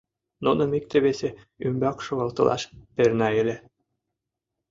— Нуным икте-весе ӱмбак шогалтылаш перна ыле…